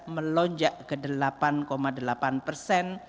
melonjak ke delapan delapan persen pada lima delapan mei dua ribu tiga belas